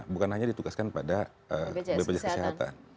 bukan hanya ditugaskan pada bpjs kesehatan